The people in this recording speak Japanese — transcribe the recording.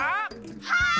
はい！